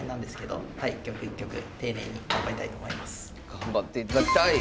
頑張っていただきたい！